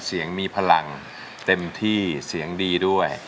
เสียงมีพลังเต็มที่เสียงดีด้วย